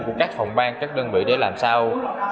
của các phòng ban các đơn vị để làm sao